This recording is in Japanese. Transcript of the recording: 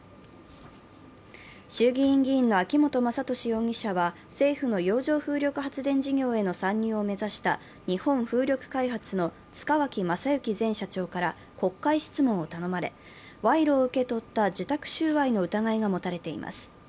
衆議院議員の秋本真利容疑者は政府の洋上風力発電事業への参入を目指した日本風力開発の塚脇正幸前社長から国会質問を頼まれ、賄賂を受け取った受託収賄の疑いが持たれています。